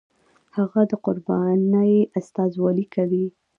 هغه د قربانۍ استازولي کوي.